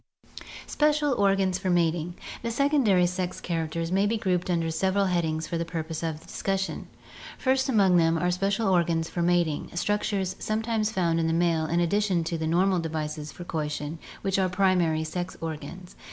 Special Organs for Mating. — The secondary sex characters may be grouped under several headings for the purpose of discussion. First among them are special organs for mating, structures some times found in the male in addition to the normal devices for coition, which are primary sex organs.